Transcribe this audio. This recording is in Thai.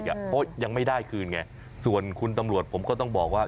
เพราะยังไม่ได้คืนไงส่วนคุณตำรวจผมก็ต้องบอกว่า